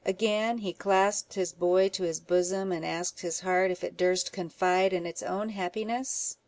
Again he clasped his boy to his bosom, and asked his heart if it durst confide in its own happiness?